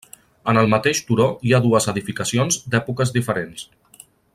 En el mateix turó hi ha dues edificacions d'èpoques diferents.